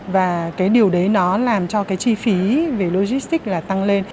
và điều đấy nó làm cho chi phí về logistic tăng lên